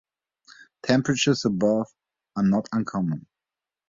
Temperatures above are not uncommon.